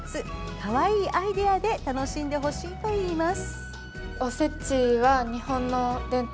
かわいいアイデアで楽しんでほしいといいます。